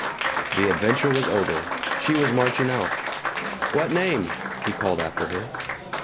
The adventure was over. She was marching out. "What name?" he called after her.